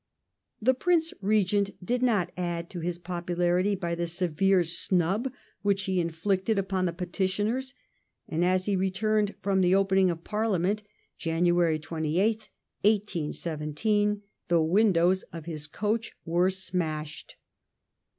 The Prince Regent did not add to his popularity by the severe snub which he inflicted upon the petitioners, and as he returned from the opening of Parliament (Jan. 28th, 1817) the windows of his coach were smashed.